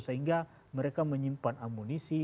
sehingga mereka menyimpan amunisi